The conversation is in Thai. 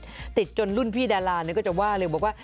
ที่ติดจนรุ่นพี่ดาลาเนี่ยก็จะว่าอยู่บอกว่า